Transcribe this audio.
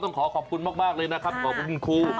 ต้องขอขอบคุณมากเลยนะครับขอบคุณครู